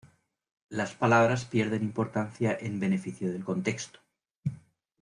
Las palabras pierden importancia en beneficio del contexto.